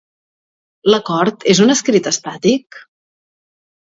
L'acord és un escrit estàtic?